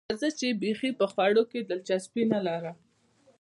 لکه زه چې بیخي په خوړو کې دلچسپي نه لرم.